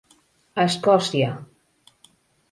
Escòcia: